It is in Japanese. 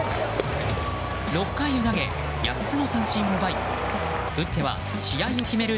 ６回を投げ、８つの三振を奪い打っては試合を決める